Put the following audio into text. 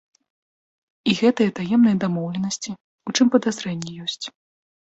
І гэтыя таемныя дамоўленасці, у чым падазрэнні ёсць.